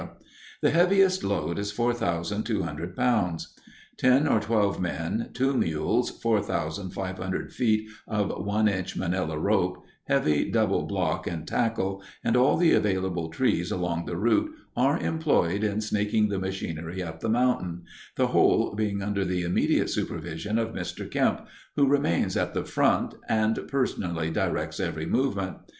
The heaviest load is 4,200 pounds. Ten or twelve men, two mules, 4,500 feet of one inch Manila rope, heavy double block and tackle, and all the available trees along the route are employed in "snaking" the machinery up the mountain—the whole being under the immediate supervision of Mr. Kemp, who remains at the front and personally directs every movement.